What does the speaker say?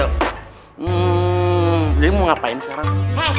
ini mau ngapain sekarang